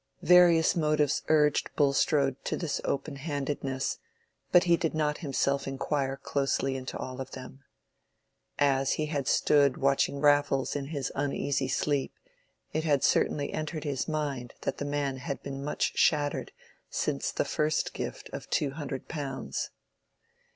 Various motives urged Bulstrode to this open handedness, but he did not himself inquire closely into all of them. As he had stood watching Raffles in his uneasy sleep, it had certainly entered his mind that the man had been much shattered since the first gift of two hundred pounds.